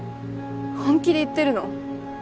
本気で言ってるの！？